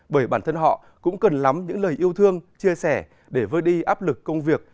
bởi bản thân họ cũng cần lắm những lời yêu thương chia sẻ để vơi đi áp lực công việc